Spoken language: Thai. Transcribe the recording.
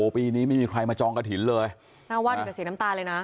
ปีนี้ไม่มีใครมาจองกระถิ่นเลยเจ้าวาดอยู่กับสีน้ำตาลเลยนะ